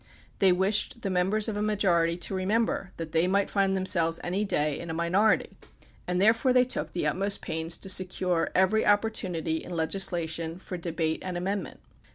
They wished the members of a majority to remember that they might find themselves any day in a minority, and therefore they took the utmost pains to secure every opportu nity in legislation for debate and amendment.